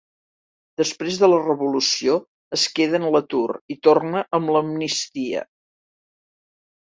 Després de la revolució es queda en l'atur i torna amb l'amnistia.